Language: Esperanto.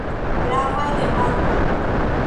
Gravaj demandoj.